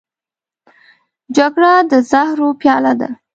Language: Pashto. جګړه د زهرو پیاله ده